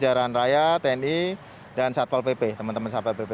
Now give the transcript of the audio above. jajaran raya tni dan satpol pp teman teman satpol pp